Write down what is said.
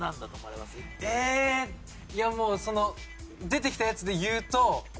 えいやもうその出てきたやつで言うと。